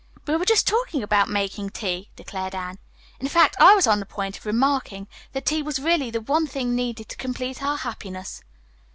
"We were just talking about making tea," declared Anne. "In fact, I was on the point of remarking that tea was really the one thing needed to complete our happiness."